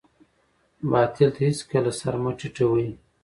باطل ته هېڅکله سر مه ټیټوئ.